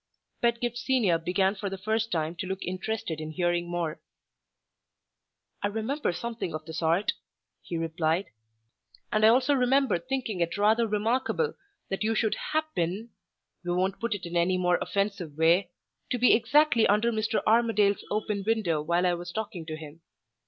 Pedgift Senior began for the first time to look interested in hearing more. "I remember something of the sort," he replied; "and I also remember thinking it rather remarkable that you should happen we won't put it in any more offensive way to be exactly under Mr. Armadale's open window while I was talking to him.